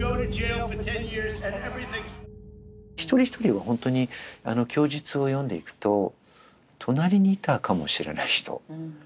一人一人は本当に供述を読んでいくと隣にいたかもしれない人。